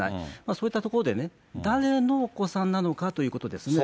そういったところでね、誰のお子さんなのかということですね。